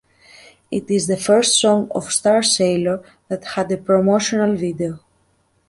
It is the first song of Starsailor that had a promotional video.